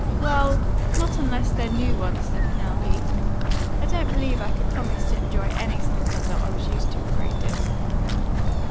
"Well, not unless they're new ones," said Penelope. "I don't believe I could promise to enjoy any sunsets that I was used to, a great deal."